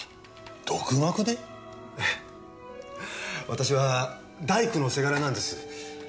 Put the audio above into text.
私は大工の倅なんです。